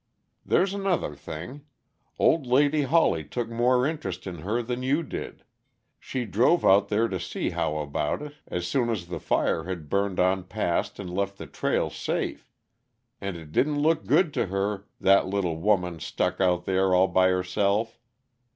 "There's another thing. Old lady Hawley took more interest in her than you did; she drove out there to see how about it, as soon as the fire had burned on past and left the trail safe. And it didn't look good to her that little woman stuck out there all by herself.